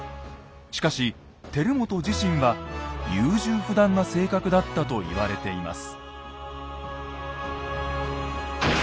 しかし輝元自身は優柔不断な性格だったと言われています。